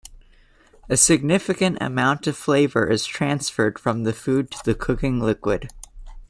A significant amount of flavor is transferred from the food to the cooking liquid.